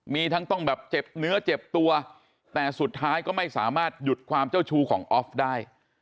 มีทั้งต้องแบบเจ็บเนื้อเจ็บตัวแต่สุดท้ายก็ไม่สามารถหยุดความเจ้าชู้ของออฟได้